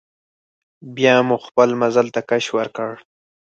بیا مو خپل مزل ته کش ورکړ.